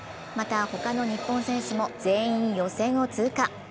またほかの日本選手も全員予選を通過。